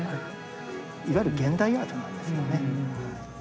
いわゆる現代アートなんですよね。